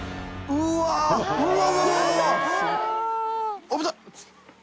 うわうわ！